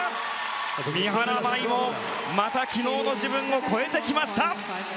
三原舞依もまた昨日の自分を超えてきました。